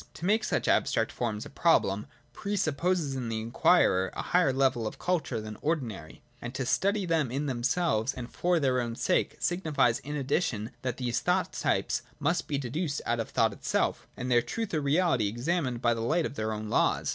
To make such abstract forms a problem pre supposes in the inquirer a higher level of culture than ordinary ; and to study them in themselves and for their own sake signifies in addition that these thought types must be deduced out of thought itself, and their truth or reality examined by the light of their own laws.